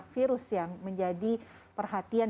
virus yang menjadi perhatian